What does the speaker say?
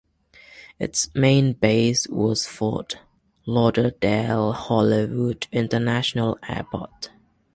Its main base was Fort Lauderdale-Hollywood International Airport.